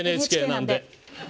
ＮＨＫなんで。